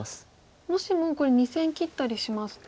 もしもこれ２線切ったりしますと。